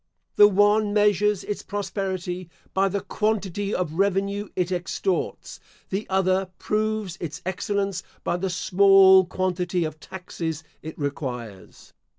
The one measures its prosperity, by the quantity of revenue it extorts; the other proves its excellence, by the small quantity of taxes it requires.